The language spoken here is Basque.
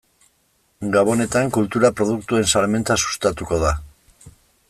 Gabonetan kultura produktuen salmenta sustatuko da.